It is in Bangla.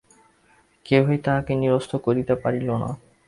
কেহই তাঁহাকে নিরস্ত করিতে পারিল না।